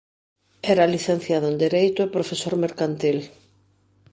Era licenciado en Dereito e profesor mercantil.